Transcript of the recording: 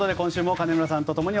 金村さん